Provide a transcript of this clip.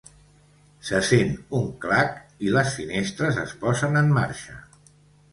Se sent un clac i les finestres es posen en marxa.